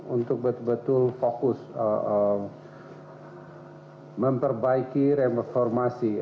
untuk betul betul fokus memperbaiki reformasi